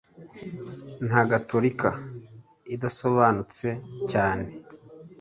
Nka gatolika idasobanutse cyane